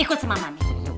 ikut sama mami